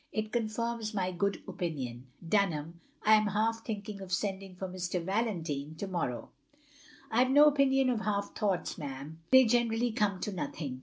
It confirms my good opinion. Dunham — I am half thinking of sending for Mr. Valentine to morrow." '* I Ve no opinion of half thoughts, ma'am. They generally come to nothing."